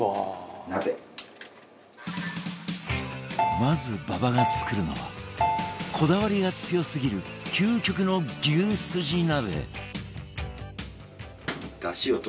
まず馬場が作るのはこだわりが強すぎる究極の牛すじ鍋